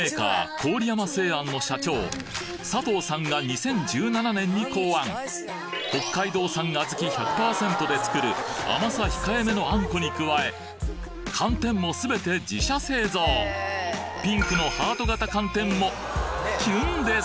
郡山製餡の社長佐藤さんが２０１７年に考案甘さ控えめのあんこに加え寒天もすべて自社製造ピンクのハート型寒天もキュンです！